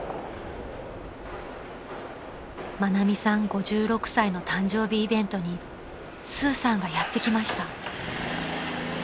５６歳の誕生日イベントにスーさんがやって来ました］